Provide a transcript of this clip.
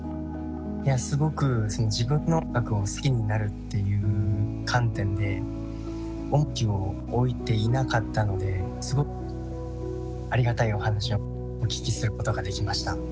いやすごく自分の音楽を好きになるっていう観点で重きを置いていなかったのですごくありがたいお話をお聞きすることができました。